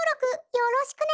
よろしくね！